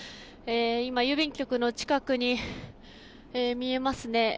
今、郵便局の近くに見えますね。